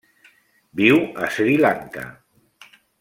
Viu a Sri Lanka.